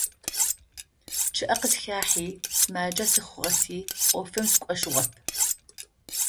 ЧъыӀэ къысхэхьи, сымаджэ сыхъугъэти Ӏофым сыкӀошъугъэп.